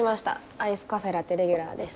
アイスカフェラテレギュラーです。